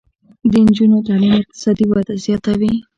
د نجونو تعلیم اقتصادي وده زیاتوي.